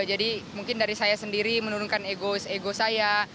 jadi mungkin dari saya sendiri menurunkan ego saya